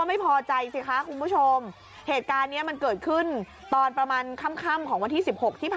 เริ่มที่สุดจะแจกกลับดูที่